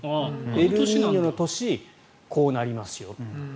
エルニーニョの年こうなりますよ